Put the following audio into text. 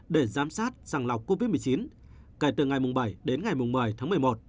để giám sát sàng lọc covid một mươi chín kể từ ngày bảy đến ngày một mươi tháng một mươi một